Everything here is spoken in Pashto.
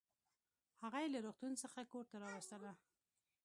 هغه يې له روغتون څخه کورته راوستله